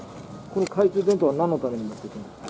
懐中電灯は何のために持っていくんですか？